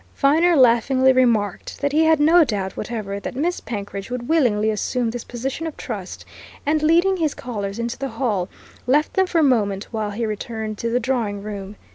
Viner laughingly remarked that he had no doubt whatever that Miss Penkridge would willingly assume this position of trust, and leading his callers into the hall, left them for a moment while he returned to the drawing room.